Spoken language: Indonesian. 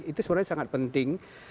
itu sebenarnya sangat penting